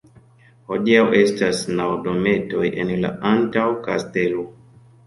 Hodiaŭ estas naŭ dometoj en la antaŭ-kastelo.